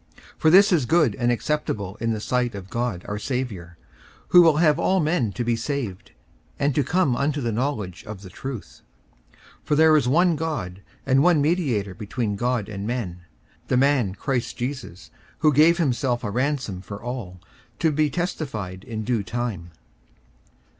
54:002:003 For this is good and acceptable in the sight of God our Saviour; 54:002:004 Who will have all men to be saved, and to come unto the knowledge of the truth. 54:002:005 For there is one God, and one mediator between God and men, the man Christ Jesus; 54:002:006 Who gave himself a ransom for all, to be testified in due time.